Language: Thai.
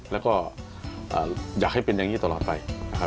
และก็อยากให้เป็นอย่างนี้ตลอดไป